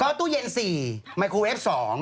ตู้เย็น๔ไมโครเอฟ๒